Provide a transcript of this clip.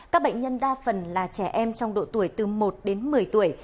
các bệnh nhân đa phần là trẻ em trong độ tuổi từ một đến một mươi tuổi